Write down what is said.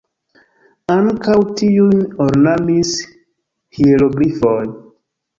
Ankaŭ tiujn ornamis hieroglifoj.